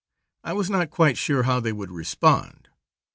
I was not quite sure how they would respond.